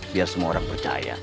biar semua orang percaya